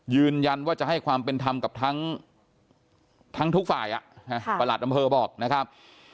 ยืนยันว่าจะให้ความเป็นธรรมกับทั้งทุกฝ่ายประหลัดอำเภอบอกนะครับ